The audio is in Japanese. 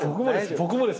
僕もです」